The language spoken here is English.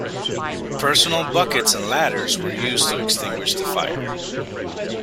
Personal buckets and ladders were used to extinguish the fire.